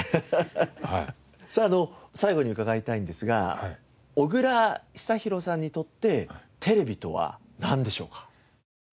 最後に伺いたいんですが小倉久寛さんにとってテレビとはなんでしょうか？